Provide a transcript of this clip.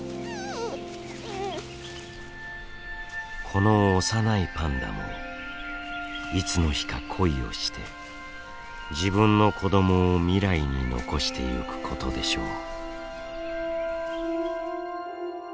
この幼いパンダもいつの日か恋をして自分の子どもを未来に残していくことでしょう。